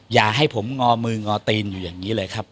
อย่าให้ผมงอมืองอตีนอยู่อย่างนี้เลยครับ